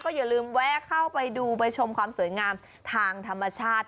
อย่าลืมแวะเข้าไปดูไปชมความสวยงามทางธรรมชาติ